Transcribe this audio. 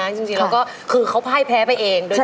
แต่จริงเราก็คือเขาไพ่แพ้ไปเอง